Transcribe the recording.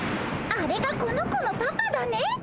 あれがこの子のパパだね。